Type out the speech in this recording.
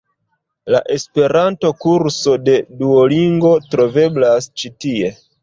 La Esperanto-kurso de Duolingo troveblas ĉi tie.